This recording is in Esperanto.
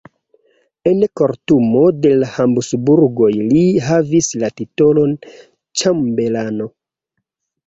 En kortumo de la Habsburgoj li havis la titolon ĉambelano.